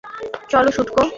চল, শুঁটকো।